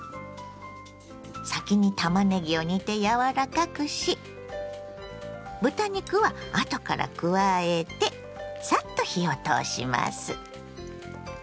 先にたまねぎを煮て柔らかくし豚肉は後から加えてサッと火を通します。